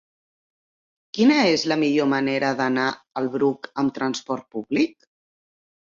Quina és la millor manera d'anar al Bruc amb trasport públic?